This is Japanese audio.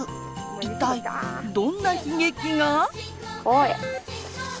一体どんな悲劇が。